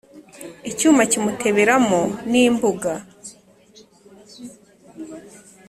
Icyuma kimutebera mo n'imbuga